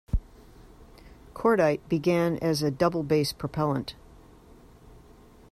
Cordite began as a "double-base" propellant.